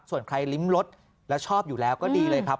ส่วนใครลิ้มรสแล้วชอบอยู่แล้วก็ดีเลยครับ